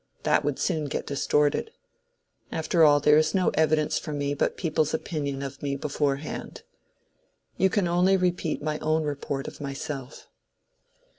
That would soon get distorted. After all, there is no evidence for me but people's opinion of me beforehand. You can only repeat my own report of myself."